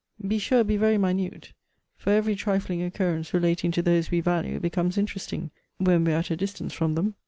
Be sure be very minute; for every trifling occurrence relating to those we value, becomes interesting, when we are at a distance from them.